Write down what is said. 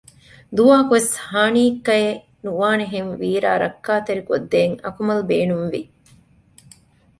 ދުވަހަކުވެސް ހާނީއްކައެއް ނުވާނެހެން ވީރާ ރައްކާތެރިކޮށްދޭން އަކުމަލް ބޭނުންވި